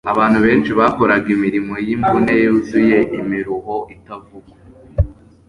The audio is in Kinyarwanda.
Abantu benshi bakoraga imirimo yimvune yuzuye imiruho itavugwa